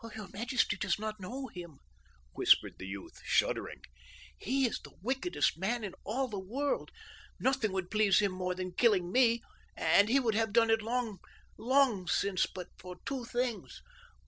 "Your majesty does not know him," whispered the youth, shuddering. "He is the wickedest man in all the world. Nothing would please him more than killing me, and he would have done it long since but for two things.